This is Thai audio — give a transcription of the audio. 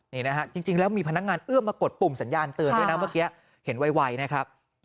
นี่นะฮะจริงแล้วมีพนักงานเอื้อมมากดปุ่มสัญญาณเตือนด้วยนะ